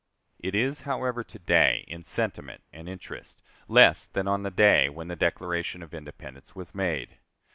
It is, however, to day, in sentiment and interest, less than on the day when the Declaration of Independence was made.